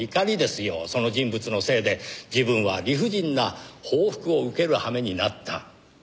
その人物のせいで自分は理不尽な報復を受ける羽目になった。